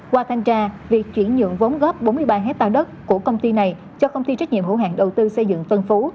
qua thanh tra việc chuyển nhượng vốn góp bốn mươi ba hectare đất của công ty này cho công ty trách nhiệm hữu hạng đầu tư xây dựng tân phú